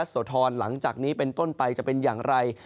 โสธรหลังจากนี้เป็นต้นไปจะเป็นอย่างไร